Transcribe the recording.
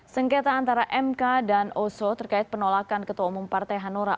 sengketa antara mk dan oso terkait penolakan ketua umum partai hanura